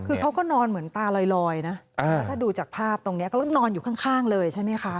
คือเขาก็นอนเหมือนตาลอยนะแล้วถ้าดูจากภาพตรงนี้ก็นอนอยู่ข้างเลยใช่ไหมคะ